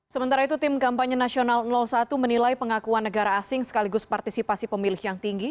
sementara itu tim kampanye nasional satu menilai pengakuan negara asing sekaligus partisipasi pemilih yang tinggi